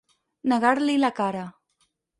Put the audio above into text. Negar-li la cara.